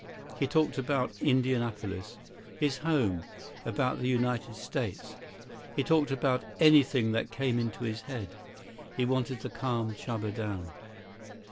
He talked about Indianapolis, his home, about the United States. He talked about anything that came into his head. He wanted to calm Chuba down.